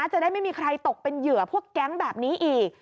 จะได้ไม่มีใครตกเป็นเหยื่อพวกแก๊งแบบนี้อีก